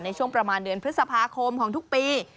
ในช่วงประมาณเดือนพฤษภาคมของทุกปี